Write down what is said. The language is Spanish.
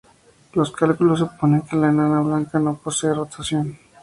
Los cálculos suponen que la enana blanca no posee rotación.